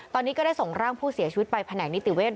ตอนนี้ก็ได้ส่งร่างผู้เสียชีวิตไปแผนกนิติเวศ